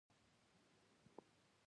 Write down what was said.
افغانستان د خپلو پسونو له امله اړیکې لري.